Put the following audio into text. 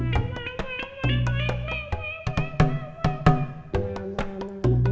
suami kena phk